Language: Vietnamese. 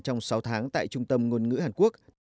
trong sáu tháng tại trung tâm ngôn ngữ hàn quốc